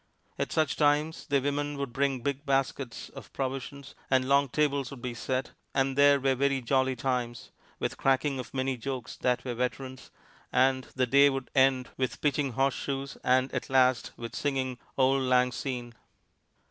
At such times the women would bring big baskets of provisions, and long tables would be set, and there were very jolly times, with cracking of many jokes that were veterans, and the day would end with pitching horseshoes, and at last with singing "Auld Lang Syne."